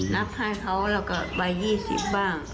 นับให้เขาแล้วก็ไป๒๐บ้างไป๑๐๐บ้าง